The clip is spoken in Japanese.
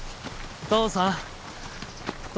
父さん！と。